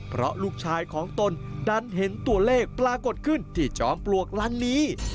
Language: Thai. เพราะลูกชายของตนดันเห็นตัวเลขปรากฏขึ้นที่จอมปลวกล้านนี้